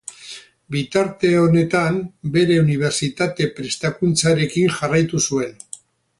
Bitarte honetan bere unibertsitate prestakuntzarekin jarraitu zuen.